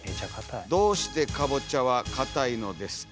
「どうしてかぼちゃはかたいのですか」。